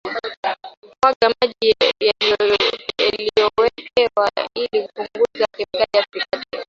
mwaga maji uliyolowekea ili kupunguza kemikali ya phytates